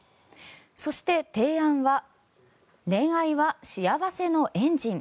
そして、提案は恋愛は幸せのエンジン。